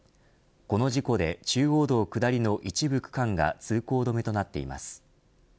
この事故で中央道下りの一部区間が通行止めとなっています。